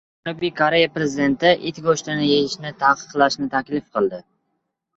Janubiy Koreya prezidenti it go‘shtini yeyishni taqiqlashni taklif qildi